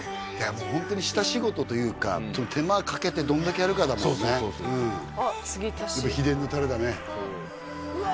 もうホントに下仕事というか手間かけてどんだけやるかだもんねあっ継ぎ足し秘伝のタレだねうわ